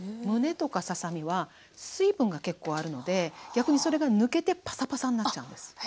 むねとかささ身は水分が結構あるので逆にそれが抜けてパサパサになっちゃうんです。